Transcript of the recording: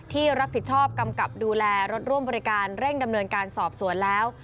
ที่รับผิดชอบกำกับดูแลรถร่วมบริการเร่งดำเนินการสอบสวนแล้ว